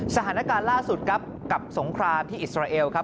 สถานการณ์ล่าสุดครับกับสงครามที่อิสราเอลครับ